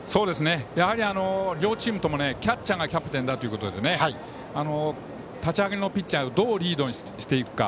やはり両チームともキャッチャーがキャプテンということで立ち上がりのピッチャーをどうリードしていくか。